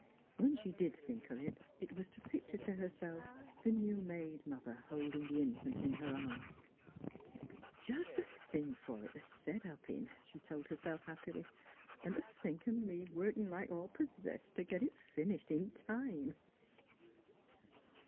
When she did think of it, it was to picture to herself the new made mother holding the infant in her arms. " It '11 be jes' th' thing f'r her t' set up in," she told herself happily; " 'n' t' think o' me workin' like all possess t' git it finished in time